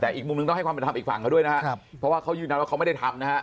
แต่อีกมุมหนึ่งต้องให้ความเป็นธรรมอีกฝั่งเขาด้วยนะครับเพราะว่าเขายืนยันว่าเขาไม่ได้ทำนะฮะ